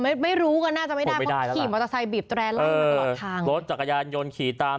ไม่รู้ก็น่าจะไม่ได้เห็นไปเอ้ยถึงจัดการยนต์ขี่ตาม